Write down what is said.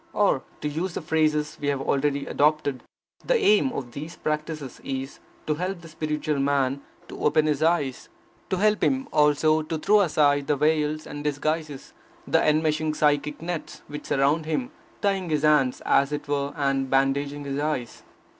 Or, to use the phrase we have already adopted, the aim of these practices is, to help the spiritual man to open his eyes; to help him also to throw aside the veils and disguises, the enmeshing psychic nets which surround him, tying his hands, as it were, and bandaging his eyes.